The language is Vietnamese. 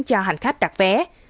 cho hành khách đặt vé